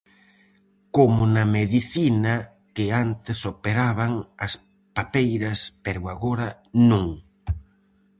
Como na medicina, que antes operaban as papeiras pero agora non.